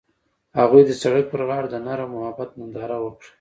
هغوی د سړک پر غاړه د نرم محبت ننداره وکړه.